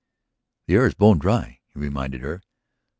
"The air is bone dry," he reminded her.